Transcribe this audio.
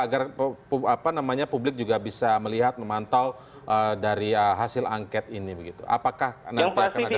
agar apa namanya publik juga bisa melihat memantau dari hasil angket ini begitu apakah nanti akan ada